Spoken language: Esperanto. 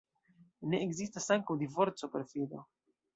Ne ekzistas ankaŭ divorco, perfido.